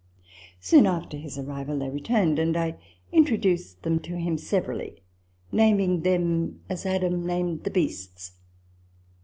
Soon after his arrival, they returned ; and I introduced them to him severally, naming them as Adam named the beasts.